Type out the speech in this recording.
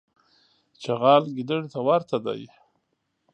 چغال ګیدړي ته ورته دی.